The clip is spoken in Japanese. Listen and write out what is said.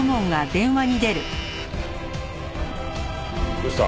どうした？